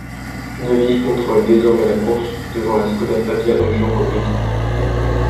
Neuville contrôle désormais la course, devant la Skoda Fabia de Jan Kopecký.